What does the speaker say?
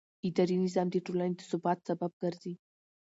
اداري نظام د ټولنې د ثبات سبب ګرځي.